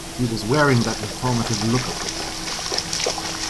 He was wearing that informative look of his.